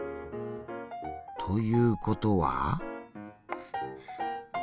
ということは。